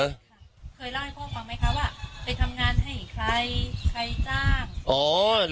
เคยเล่าให้พ่อฟังไหมคะว่าไปทำงานให้ใครใครจ้างอ๋อ